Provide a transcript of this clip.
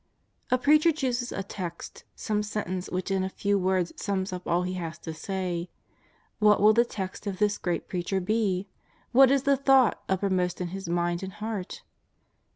A preacher chooses a text, some sentence which in a few words sums up all he has to say. 'WTiat will the text of this great Preacher be? What is the thought uppermost in His mind and heart?